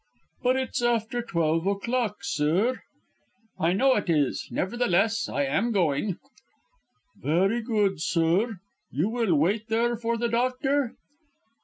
"But it's after twelve o'clock, sir!" "I know it is; nevertheless I am going." "Very good, sir. You will wait there for the Doctor?"